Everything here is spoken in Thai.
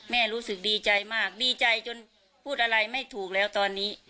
รู้สึกดีใจมากดีใจจนพูดอะไรไม่ถูกแล้วตอนนี้